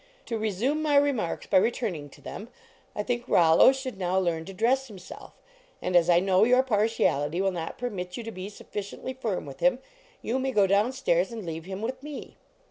To resume my remarks by returning to them, I think Rollo should now learn to dress himself. And a< I know your partiality will not permit you to be sufficiently firm with him, you may go down stairs and leave him with me."